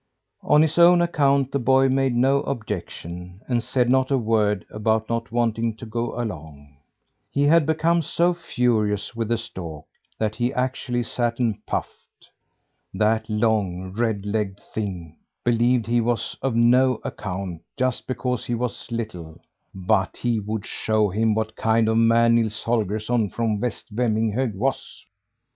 On his own account, the boy made no objection, and said not a word about not wanting to go along. He had become so furious with the stork, that he actually sat and puffed. That long, red legged thing believed he was of no account just because he was little; but he would show him what kind of a man Nils Holgersson from West Vemminghög was.